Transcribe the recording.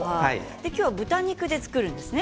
今日は豚肉で作るんですね。